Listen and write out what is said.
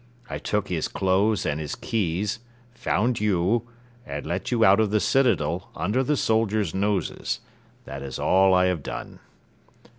I took his clothes and his keys, found you, and let you out of the citadel, under the soldiers' noses. That is all I have done."